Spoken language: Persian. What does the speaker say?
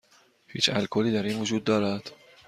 هیچ الکلی در این وجود دارد؟